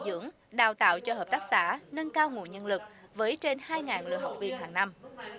tô dưỡng đào tạo cho hợp tác xã nâng cao nguội nhân lực với trên hai lượng học viên hàng năm